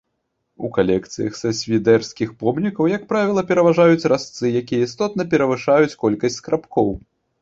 У калекцыях са свідэрскіх помнікаў, як правіла, пераважаюць разцы, якія істотна перавышаюць колькасць скрабкоў.